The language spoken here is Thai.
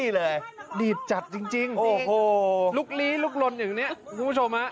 เราเคยเห็น